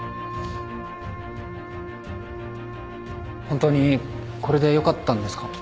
本当にこれでよかったんですか？